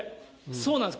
そうなんです。